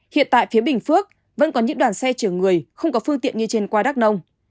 hiện tại phía bình phước vẫn có những đoàn xe chở người không có phương tiện như trên qua đắk nông